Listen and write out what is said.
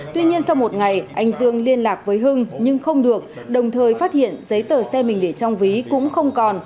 tuy nhiên sau một ngày anh dương liên lạc với hưng nhưng không được đồng thời phát hiện giấy tờ xe mình để trong ví cũng không còn